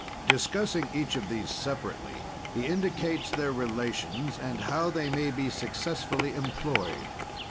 Discussing each of these separately, he indicates their relations and how they may be successfully employed.